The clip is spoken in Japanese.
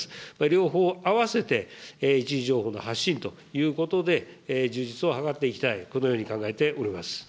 両方合わせて、一次情報の発信ということで、充実を図っていきたい、このように考えております。